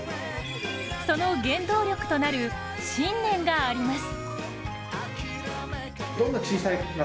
その原動力となる信念があります。